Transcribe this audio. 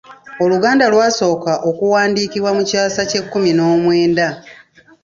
Oluganda lwasooka okuwandiikibwa mu kyasa ky’ekkumi n’omwenda.